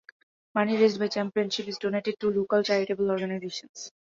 Money raised by the Championship is donated to local charitable organisations.